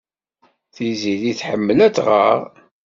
Tiziri tḥemmel ad tɣer.